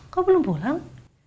kok belum pulang